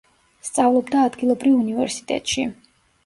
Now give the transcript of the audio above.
სწავლობდა ადგილობრივ უნივერსიტეტში.